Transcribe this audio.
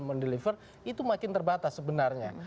mendeliver itu makin terbatas sebenarnya